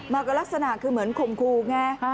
ลักษณะคือเหมือนข่มครูไง